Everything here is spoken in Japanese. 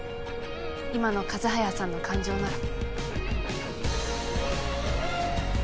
今の風早さんの感情なら。